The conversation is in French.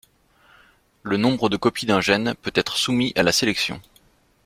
Le nombre de copies d'un gène peut être soumis à la sélection.